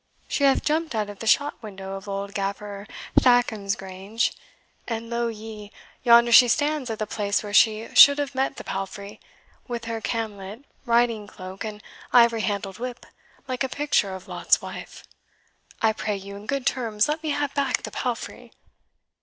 She hath jumped out of the shot window of old Gaffer Thackham's grange; and lo ye, yonder she stands at the place where she should have met the palfrey, with her camlet riding cloak and ivory handled whip, like a picture of Lot's wife. I pray you, in good terms, let me have back the palfrey."